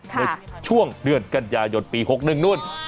ในช่วงเดือนกันยายนปี๖๑นู่น